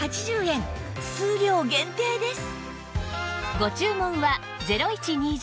数量限定です